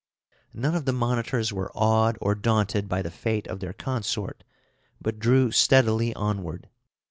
None of the monitors were awed or daunted by the fate of their consort, but drew steadily onward.